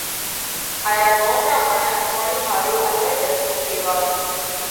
ھايا ڳوم را منک پوڻِي ۿارُو الھائي ۮکي ٿيوا